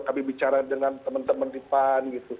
kami bicara dengan teman teman di pan gitu